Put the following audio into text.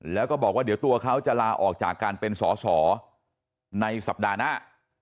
แล้วก็บอกว่าเดี๋ยวตัวเขาจะลาออกจากการเป็นสอสอในสัปดาห์หน้า